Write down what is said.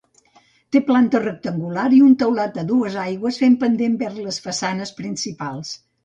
Té planta rectangular i un teulat a dues aigües fent pendent vers les façanes principals.